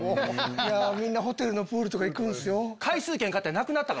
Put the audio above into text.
みんなホテルのプールとか行くんすよ。